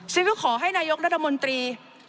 ซึ่งก็ขอให้นายกรัฐมนตรี